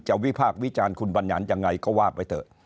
จะวิภาควิจารณ์คุณบรรยานอย่างไรก็ว่าไปเถอะ